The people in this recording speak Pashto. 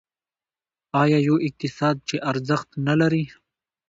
آیا یو اقتصاد چې ارزښت نلري؟